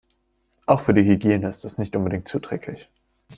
Auch für die Hygiene ist es nicht unbedingt zuträglich.